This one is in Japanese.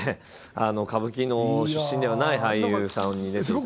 歌舞伎の出身ではない俳優さんに出ていただいて。